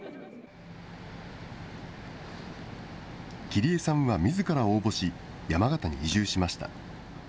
切江さんはみずから応募し、山形に移住しました。